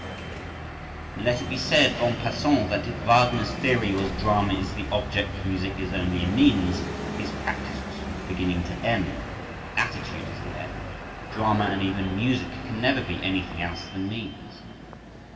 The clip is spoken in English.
And let it be said en passant that if Wagner's theory was "drama is the object, music is only a means"—his practice was from beginning to end "the attitude is the end, drama and even music can never be anything else than means."